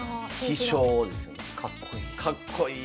かっこいい。